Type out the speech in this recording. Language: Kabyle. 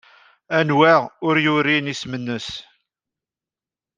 Anwa ur yurin isem-nnes?